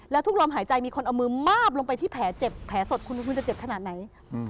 แล้วทุกลมหายใจมีคนเอามือมาบลงไปที่แผลเจ็บแผลสดคุณคุณจะเจ็บขนาดไหน